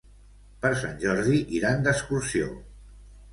Per Sant Jordi iran d'excursió.